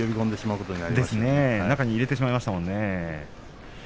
そうですね、中に入れてしまいましたものね。